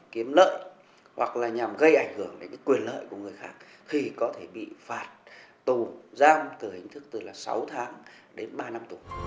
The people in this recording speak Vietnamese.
kiếm lợi hoặc là nhằm gây ảnh hưởng đến quyền lợi của người khác thì có thể bị phạt tù giam từ hình thức từ là sáu tháng đến ba năm tù